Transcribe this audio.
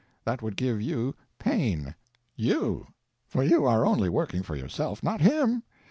That would give you pain. You—for you are only working for yourself, not him.